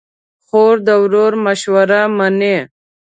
خور د ورور مشوره منې.